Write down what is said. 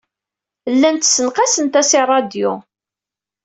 Llant ssenqasent-as i ṛṛadyu.